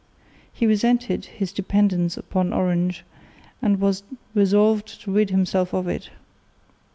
He resented his dependence upon Orange and was resolved to rid himself of it.